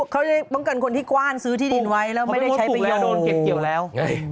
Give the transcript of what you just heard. เขาจะป้องกันคนที่กว้านซื้อที่ดินไว้แล้วไม่ได้ใช้ไปเยอะโดนเก็บเกี่ยวแล้ว